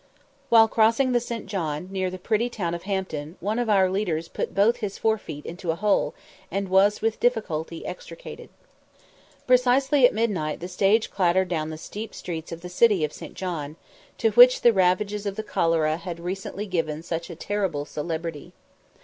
While crossing the St. John, near the pretty town of Hampton, one of our leaders put both his fore feet into a hole, and was with difficulty extricated. Precisely at midnight the stage clattered down the steep streets of the city of St. John, to which the ravages of the cholera had recently given such a terrible celebrity.